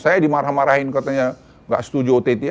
saya dimarah marahin katanya nggak setuju ott